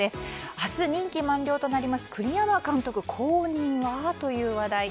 明日、任期満了となります栗山監督、後任は？という話題。